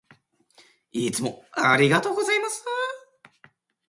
いつもありがとうございます。